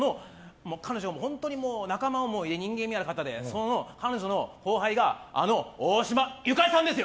本当に仲間思いで人気のある方でその彼女の後輩があの大島由香里さんですよ！